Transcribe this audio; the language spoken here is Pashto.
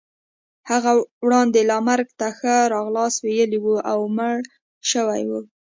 هغه وړاندې لا مرګ ته ښه راغلاست ویلی وو او مړ شوی وو.